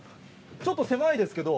ちょっと狭いですけど。